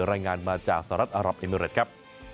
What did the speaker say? รายงานมาจากสหรัฐอารับเอมิเรตครับ